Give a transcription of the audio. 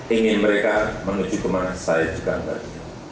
ingin mereka menuju kemana stay iconic